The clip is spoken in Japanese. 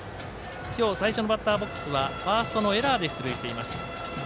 今日最初のバッターボックスはファーストのエラーで出塁しています。